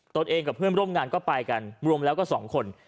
ตัวเองกับเพื่อนร่วมงานก็ไปกันรวมแล้วก็๒คน